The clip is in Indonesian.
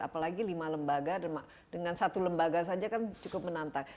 apalagi lima lembaga dengan satu lembaga saja kan cukup menantang